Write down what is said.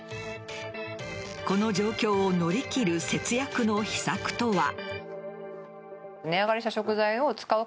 この状況を乗り切る節約の秘策とは。